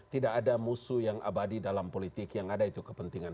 tidak ada musuh yang abadi dalam politik yang ada itu kepentingan